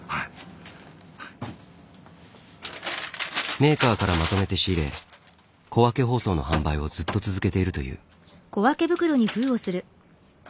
メーカーからまとめて仕入れ小分け包装の販売をずっと続けているという。